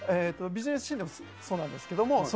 ビジネスシーンでもそうなんですけど。